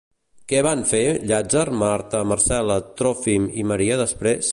Què van fer Llàtzer, Marta, Marcel·la, Tròfim i Maria després?